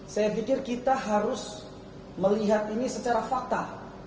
saya pikir kita harus melihat ini secara fakta